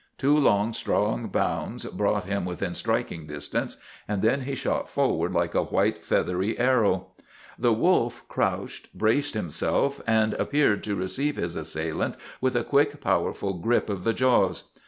Two long, strong bounds brought him within striking distance and then he shot forward like a white, feathery arrow. The wolf crouched, braced himself, and prepared to receive his assailant with a quick, powerful grip of the jaws.